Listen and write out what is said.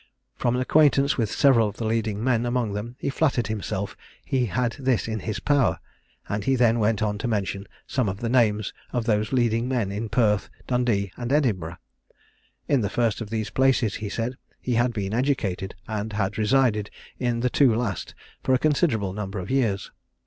From an acquaintance with several of the leading men among them, he flattered himself he had this in his power; and he then went on to mention some of the names of those leading men in Perth, Dundee, and Edinburgh. In the first of these places, he said, he had been educated, and had resided in the two last for a considerable number of years.